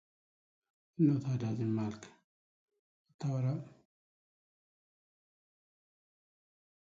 Special cassettes were also available.